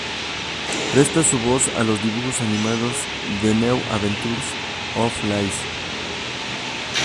Presta su voz a los dibujos animados The New Adventures of Lassie.